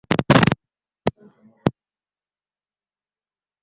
wa Ghana mwaka elfu moja Mia Tisa na hamsini na nane Ujumbe huu ulimjumuisha